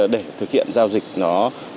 để thực hiện giao dịch nó đúng